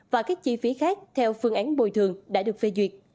và các chi phí khác theo phương án bồi thường đã được phê duyệt